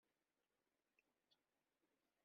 Tebbhedlem iman-nwen!